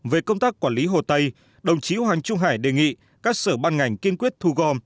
về công tác quản lý hồ tây đồng chí hoàng trung hải đề nghị các sở ban ngành kiên quyết thu gom